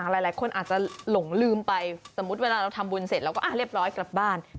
หลายคนอาจจะหลงลืมไปสมมุติเวลาเราทำบุญเสร็จเราก็เรียบร้อยกลับบ้าน